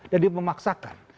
dan dia memaksakan